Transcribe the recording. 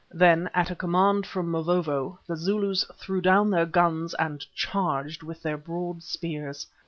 Then, at a command from Mavovo, the Zulus threw down their guns and charged with their broad spears.